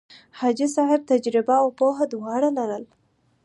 حاجي صاحب تجربه او پوه دواړه لرل.